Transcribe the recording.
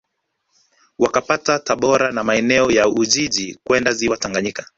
Wakapita Tabora na maeneo ya Ujiji kwenda Ziwa Tanganyika